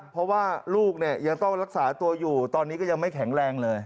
เพราะว่าลูกเนี่ยยังต้องรักษาตัวอยู่ตอนนี้ก็ยังไม่แข็งแรงเลย